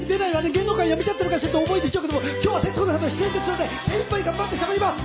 芸能界辞めちゃったのかしらとお思いでしょうけども今日は『徹子の部屋』の出演ですので精いっぱい頑張ってしゃべります。